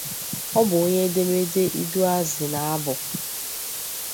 Ọ bụ onye edemede iduazị na abụ